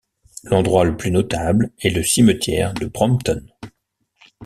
L'endroit le plus notable est le cimetière de Brompton.